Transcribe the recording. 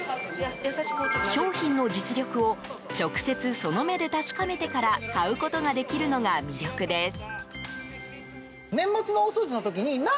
商品の実力を直接その目で確かめてから買うことができるのが魅力です。